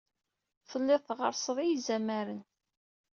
Tellid tɣerrsed i yizamaren.